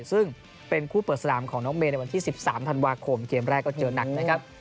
ซึ่งเป็นคู่เปิดสนามของน้องเมย์ในวันที่๑๓ธันวาคมเกมแรกก็เจอหนักนะครับ